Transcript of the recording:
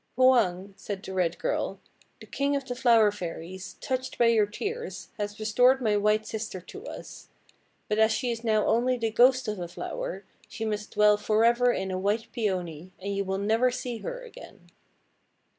"Hwang," said the red girl, "the King of the Flower Fairies, touched by your tears, has restored my white sister to us. But as she is now only the ghost of a flower, she must dwell forever in a white Peony, and you will never see her again."